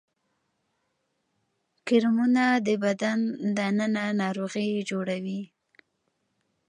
کرمونه د بدن دننه ناروغي جوړوي